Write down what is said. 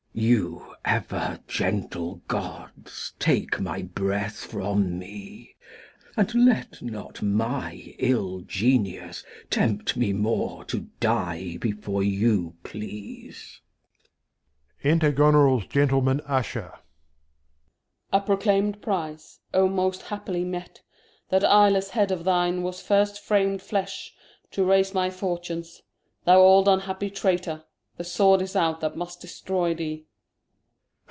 Glost. You ever gentle Gods take my Breath from me, And let not my iU Genius tempt me more To Die before you please. Enter Goneril's Gentleman Usher. Gent. A proclaim'd Prize, O most happily met, That Eye less Head of thine was first fram'd Flesh To raise my Fortunes ; thou old unhappy Traytor, The Sword is out that must destroy thee.